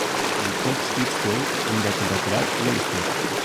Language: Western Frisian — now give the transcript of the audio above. Dyn klok stiet stil, omdat de batterij leech is.